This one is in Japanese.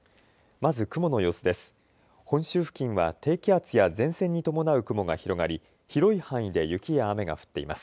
まず雲の様子です。